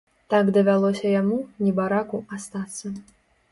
Так давялося яму, небараку, астацца.